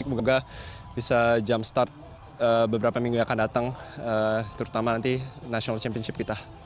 semoga bisa jump start beberapa minggu yang akan datang terutama nanti national championship kita